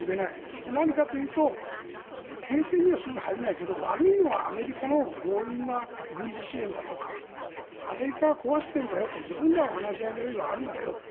それは何かというと停戦にはすぐに入れないけど悪いのはアメリカの強引な軍事支援だとかアメリカが壊しているんだよと自分たちは話し合いの用意があるんだよと。